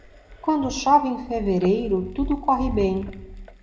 Quando chove em fevereiro, tudo corre bem.